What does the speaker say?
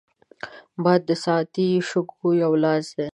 باد د ساعتي شګو یو لاس دی